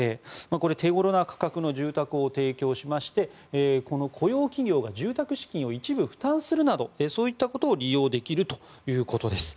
これは手ごろな価格の住宅を提供しまして雇用企業が住宅資金を一部負担するなどそういったことを利用できるということです。